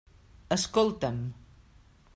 Escolta'm.